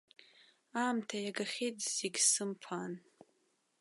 Аамҭа иагахьеит зегь сымԥаан.